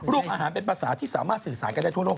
อาหารเป็นภาษาที่สามารถสื่อสารกันได้ทั่วโลก